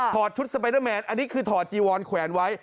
ชุดสไปเดอร์แมนอันนี้คือถอดจีวอนแขวนไว้